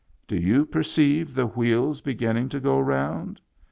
Do you perceive the wheels beginning to go round?